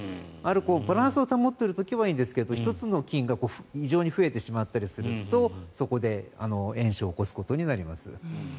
バランスを保っている時はいいんですが、１つの菌が異常に増えてしまったりするとそこで炎症を起こすことになります。